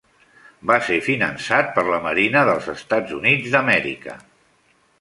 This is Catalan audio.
Va ser finançat per la Marina dels Estats Units d'Amèrica.